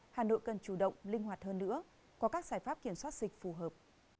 hà nội cần chủ động linh hoạt hơn nữa có các giải pháp kiểm soát dịch phù hợp